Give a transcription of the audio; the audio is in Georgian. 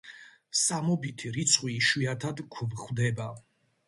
სამობითი რიცხვი იშვიათად გვხვდება.